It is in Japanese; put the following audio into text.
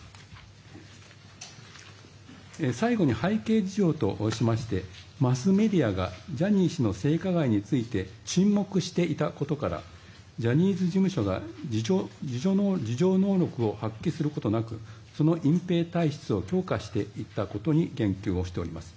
最後に、背景事情としましてマスメディアがジャニー氏の性加害について沈黙していたことからジャニーズ事務所が自助能力を発揮することなくその隠ぺい体質を強化していったことに言及しております。